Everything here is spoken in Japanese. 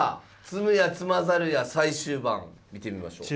詰むや詰まざるや最終盤見てみましょう。